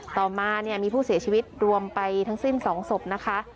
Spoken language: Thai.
ต่อมาเนี่ยมีผู้เสียชีวิตรวมไปทั้งสิ้น๒ศพนะคะ